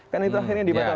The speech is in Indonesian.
kan itu akhirnya dibatalkan